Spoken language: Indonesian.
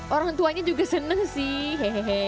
orang tuanya juga senang sih